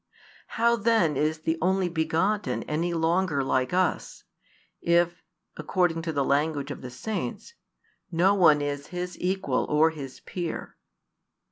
How then is the Only begotten any longer like us, if (according to the language of the saints) no one is His equal or His peer?